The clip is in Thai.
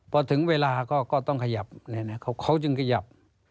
พอถึงเวลาก็ต้องขยับเขาจึงขยับ